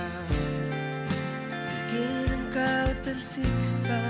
mungkin kau tersiksimu